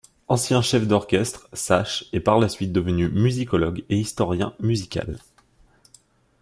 Ancien chef d'orchestre, Sachs est par la suite devenu musicologue et historien musical.